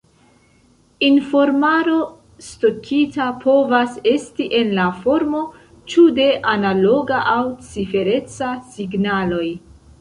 Informaro stokita povas esti en la formo ĉu de analoga aŭ cifereca signaloj.